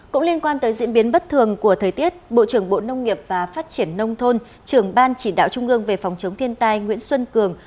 cũng liên quan tới diễn biến bất thường của thời tiết bộ trưởng bộ nông nghiệp và phát triển nông thôn trưởng ban chỉ đạo trung ương về phòng chống thiên tai nguyễn xuân cường